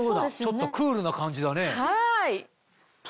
ちょっとクールな感じだね。